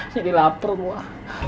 jadi lapar gue